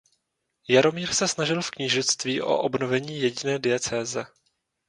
Jaromír se snažil v knížectví o obnovení jediné diecéze.